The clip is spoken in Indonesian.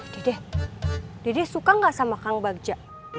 dede dede suka nggak sama kang bagja